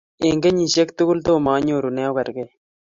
Eng kenyishiek tugul Tomo anyoru me ogergei